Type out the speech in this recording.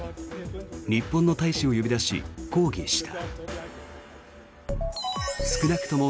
日本の大使を呼び出し抗議した。